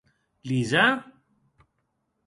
Lisa?